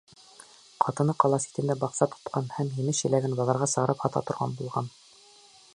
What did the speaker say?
Ҡатыны ҡала ситендә баҡса тотҡан һәм емеш-еләген баҙарға сығарып һата торған булған.